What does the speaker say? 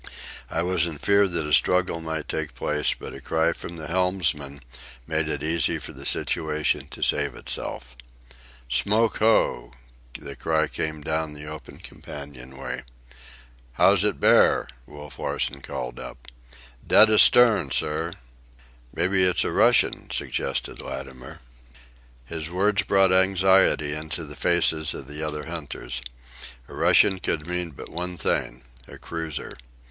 I was in fear that a struggle might take place, but a cry from the helmsman made it easy for the situation to save itself. "Smoke ho!" the cry came down the open companion way. "How's it bear?" Wolf Larsen called up. "Dead astern, sir." "Maybe it's a Russian," suggested Latimer. His words brought anxiety into the faces of the other hunters. A Russian could mean but one thing—a cruiser.